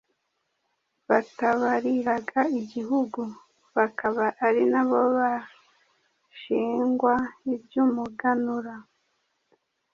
batabariraga igihugu, bakaba ari nabo bashingwa iby’umuganura.